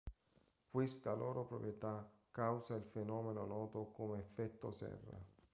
Questa loro proprietà causa il fenomeno noto come effetto serra.